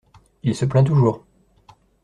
Il se plaint toujours.